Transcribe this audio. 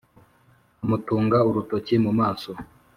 Amutunga urutoki mu maso